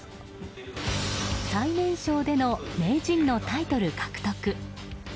最年少での名人のタイトル獲得。